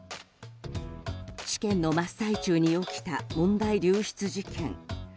試験の真っ最中に起きた問題流出事件。